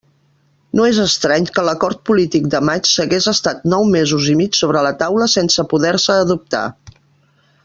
No és estrany que l'acord polític de maig s'hagués estat nou mesos i mig sobre la taula sense poder-se adoptar.